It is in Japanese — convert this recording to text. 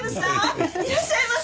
いらっしゃいませ！